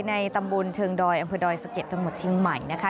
ในตำบลเชิงดอยอำเภอดอยสะเก็ดจังหวัดเชียงใหม่นะคะ